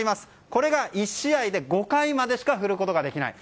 これが１試合で５回までしか振ることができない。